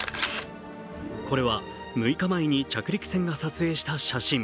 これは６日前に着陸船が撮影した写真。